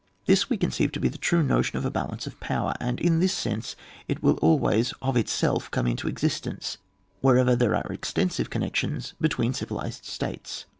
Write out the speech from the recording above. This we conceive to be the true notion of a balance of power, and in this sense it will always of itself come into existence, wherever there are extensive connections between civilised states.